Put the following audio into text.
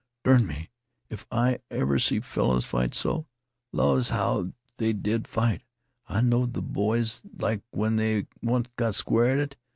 "Dern me if I ever see fellers fight so. Laws, how they did fight! I knowed th' boys 'd like when they onct got square at it.